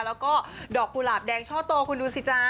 แล้วก็ดอกกุหลาบแดงช่อโตคุณดูสิจ๊ะ